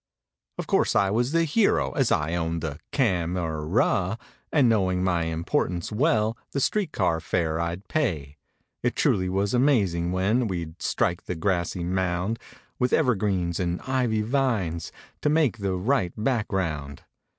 Of course I was the hero as I owned the cam—e—ra. And knowing my importance well The street car fare I'd pay. It truly was amazing when We'd strike the grassy mound. With evergreens, and ivy vines To make the right background.